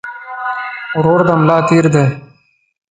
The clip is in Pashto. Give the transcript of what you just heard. ورور د ملا تير دي